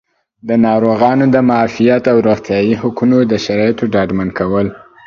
د ناروغانو د معافیت او روغتیایي حقونو د شرایطو ډاډمن کول